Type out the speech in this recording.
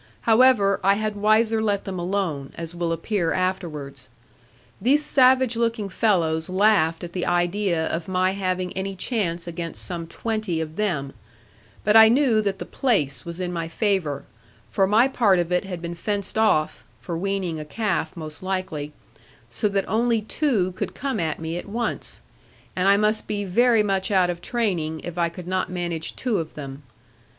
However, I had wiser let them alone, as will appear afterwards. These savage looking fellows laughed at the idea of my having any chance against some twenty of them: but I knew that the place was in my favour; for my part of it had been fenced off (for weaning a calf most likely), so that only two could come at me at once; and I must be very much out of training, if I could not manage two of them.